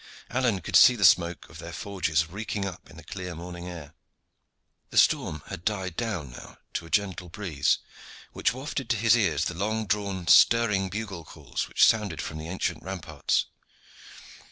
Alleyne could see the smoke of their forges reeking up in the clear morning air. The storm had died down now to a gentle breeze, which wafted to his ears the long drawn stirring bugle calls which sounded from the ancient ramparts.